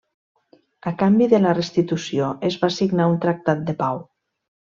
A canvi de la restitució es va signar un tractat de pau.